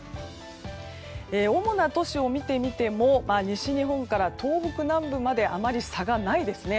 主な都市を見てみても西日本から東北南部まであまり差がないですね。